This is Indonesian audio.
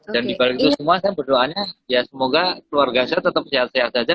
dan di balik itu semua saya berdoanya ya semoga keluarga saya tetap sehat sehat saja